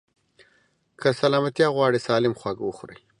که سلامتيا غواړئ، سالم خواړه وخورئ.